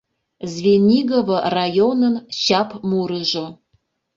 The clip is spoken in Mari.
Звенигово районын чапмурыжо